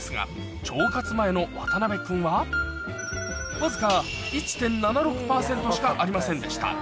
わずかしかありませんでした